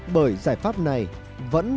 bởi giải pháp này vẫn